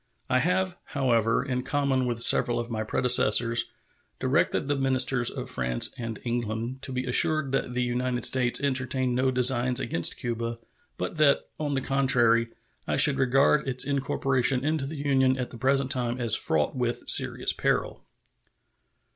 I have, however, in common with several of my predecessors, directed the ministers of France and England to be assured that the United States entertain no designs against Cuba, but that, on the contrary, I should regard its incorporation into the Union at the present time as fraught with serious peril.